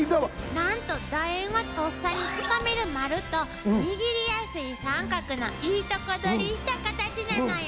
なんとだ円はとっさにつかめる丸と握りやすい三角のいいとこ取りしたカタチなのよ。